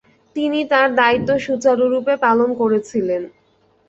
তিনি তার দায়িত্ব সুচারুরূপে পালন করেছিলেন।